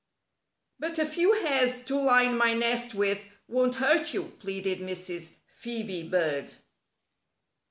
"But a few hairs to line my nest with won't hurt you," pleaded Mrs. Phœbe Bird.